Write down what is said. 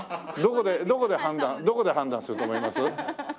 どこで判断どこで判断すると思います？